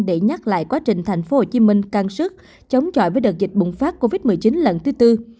để nhắc lại quá trình tp hcm căng sức chống chọi với đợt dịch bùng phát covid một mươi chín lần thứ tư